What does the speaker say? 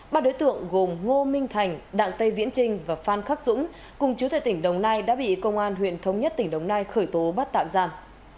ba đối tượng gồm ngô minh thành đặng tây viễn trinh và phan khắc dũng cùng chú thệ tỉnh đồng nai đã bị công an huyện thống nhất tỉnh đồng nai khởi tố bắt tạm giam